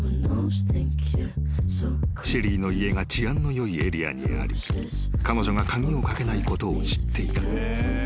［シェリーの家が治安のよいエリアにあり彼女が鍵を掛けないことを知っていた］